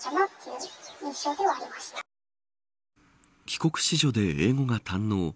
帰国子女で英語が堪能。